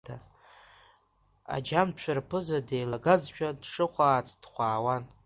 Аџьамцәа рԥыза деилагазшәа дшыхәаац дхәаауан.